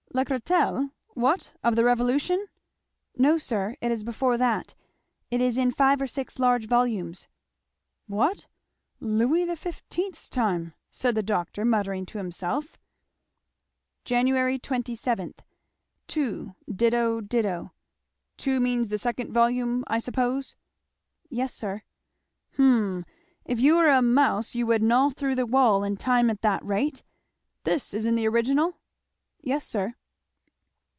"Lacretelle? what, of the Revolution?" "No sir, it is before that; it is in five or six large volumes." "What, Louis XV's time!" said the doctor muttering to himself. 'Jan. 27. 2. ditto, ditto.' "'Two' means the second volume I suppose?" "Yes sir." "Hum if you were a mouse you would gnaw through the wall in time at that rate. This is in the original?" "Yes sir."